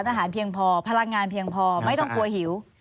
เพียงพอพลังงานเพียงพอไม่ต้องกลัวหิว